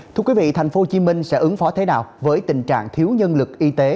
thưa quý vị tp hcm sẽ ứng phó thế nào với tình trạng thiếu nhân lực y tế